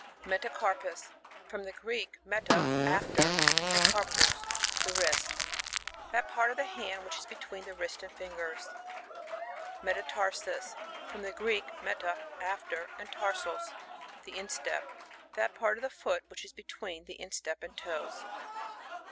119 Metacarpus — From the Greek, meta^ aflcr, and karpos, the wrist. That part of the hand which is between the wrist and fingers. Mrtatarsiis — From the Greek, meta, after, and tarsoSt the instep. That part of the foot which is between the in>tep and toes.